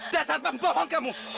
dasar pembohong kamu